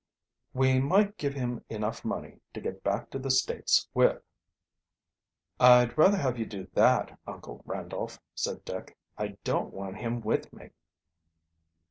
"We might give him enough money to get back to the United States with." "I'd rather have you do that, Uncle Randolph," said Dick. "I don't want him with me."